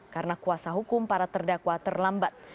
karena kuasa hukum para terdakwa terlambat